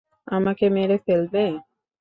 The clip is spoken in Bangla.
আমাকে মেরে ফেলবে?